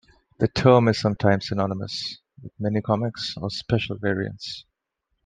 The term is sometimes synonymous with minicomics or special variants.